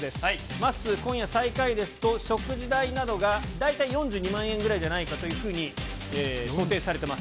まっすー、今夜最下位ですと、食事代などが大体４２万円ぐらいじゃないかというふうに想定されてます。